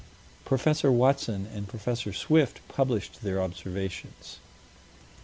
Prof. Watson and Prof. Swift published their observations.